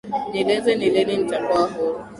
nieleze ni lini nitakuwa huru